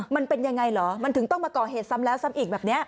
มันเป็นยังไงเหรอมันถึงต้องมาก่อเหตุซ้ำแล้วซ้ำอีกแบบนี้